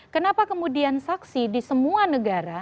kenapa kemudian saksi di semua negara